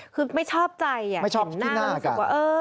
คือไม่ชอบใจไม่ชอบที่หน้ากัน